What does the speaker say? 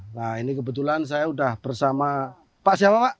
nah ini kebetulan saya sudah bersama pak siapa pak